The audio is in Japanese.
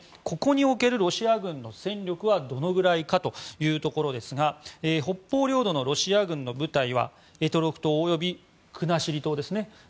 ここにおけるロシア軍の戦力はどのぐらいかというところですが北方領土のロシア軍の部隊は択捉島及び国後島ですね